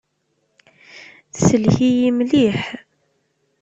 Tsellek-iyi mliḥ.